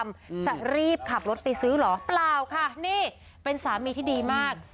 อืมจะรีบขับรถไปซื้อเหรอเปล่าค่ะนี่เป็นสามีที่ดีมาก